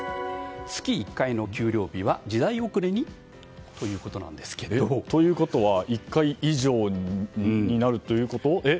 月１回の給料日は時代遅れに？ということですけども。ということは１回以上になるということ？